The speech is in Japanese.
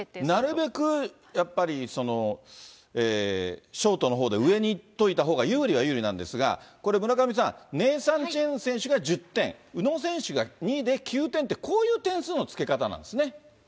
なるべくやっぱり、ショートのほうで上のほうに行っておいたほうが有利は有利なんですが、これ、村上さん、ネイサン・チェン選手が１０点、宇野選手が２位で９点って、こういう点数のつけ方なんですね。